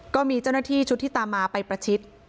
ก็มีเจ้าหน้าที่ชุดที่ตามมาไปประชิด